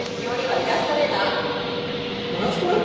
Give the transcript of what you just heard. イラストレーター？